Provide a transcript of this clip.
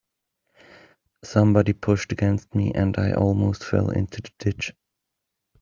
Somebody pushed against me, and I almost fell into the ditch.